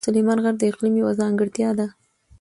سلیمان غر د اقلیم یوه ځانګړتیا ده.